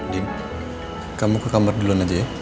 di kamu ke kamar duluan aja ya